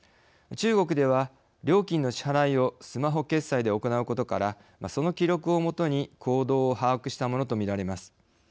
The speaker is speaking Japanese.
中国では、料金の支払いをスマホ決済で行うことからその記録をもとに行動を把握したものと見られます。